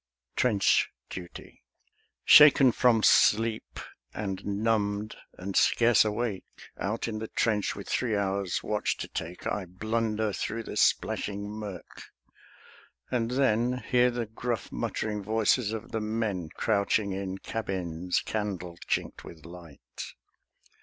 TRENCH DUTY Shaken from sleep, and numbed and scarce awake, Out in the trench with three hours' watch to take, I blunder through the splashing mirk; and then Hear the gruff muttering voices of the men Crouching in cabins candle chinked with light.